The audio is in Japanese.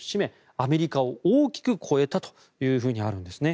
アメリカを大きく超えたとあるんですね。